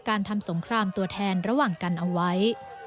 การทำสงครามตัวแทนระหว่างกันเอาไว้